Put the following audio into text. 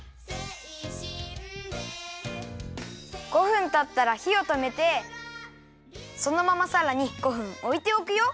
５分たったらひをとめてそのままさらに５分おいておくよ。